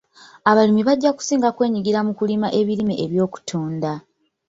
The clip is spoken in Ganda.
Abalimi bajja kusinga kwenyigira mu kulima ebirime eby'okutunda.